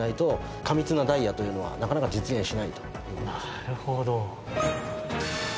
なるほど。